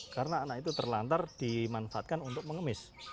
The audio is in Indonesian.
karena anak itu terlantar dimanfaatkan untuk mengemis